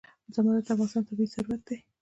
زمرد د افغانستان طبعي ثروت دی.